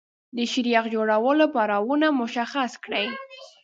د شیریخ جوړولو پړاوونه مشخص کړئ.